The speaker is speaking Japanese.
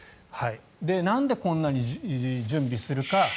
なんでこんなに準備するか。